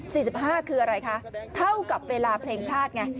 สิบห้าคืออะไรคะเท่ากับเวลาเพลงชาติไง